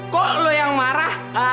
kok lo yang marah